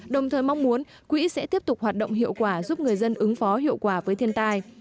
đồng thời mong muốn quỹ sẽ tiếp tục hoạt động hiệu quả giúp người dân ứng phó hiệu quả với thiên tai